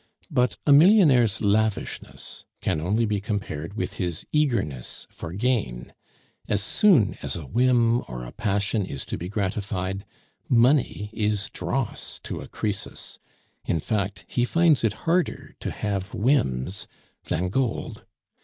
But a millionaire's lavishness can only be compared with his eagerness for gain. As soon as a whim or a passion is to be gratified, money is dross to a Croesus; in fact, he finds it harder to have whims than gold.